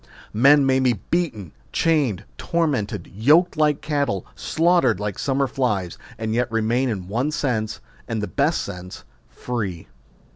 Men may be beaten, chained, tormented, yoked like cattle, slaughtered like summer flies, and yet remain in one sense, and the best sense, free.